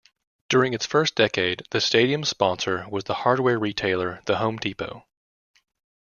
During its first decade, the stadium's sponsor was hardware retailer The Home Depot.